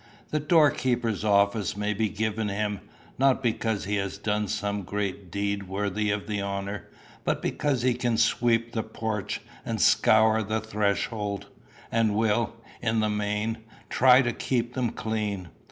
The doorkeeper's office may be given him, not because he has done some great deed worthy of the honour, but because he can sweep the porch and scour the threshold, and will, in the main, try to keep them clean.